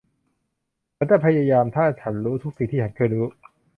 ฉันจะพยายามถ้าฉันรู้ทุกสิ่งที่ฉันเคยรู้